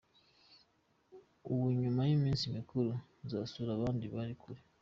Ubu nyuma y’iminsi mikuru nzasura abandi bari kure”.